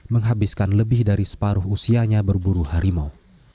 menghabiskan lebih dari separuh usianya berburu harimau